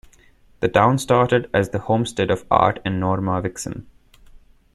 The town started as the homestead of Art and Norma Wixom.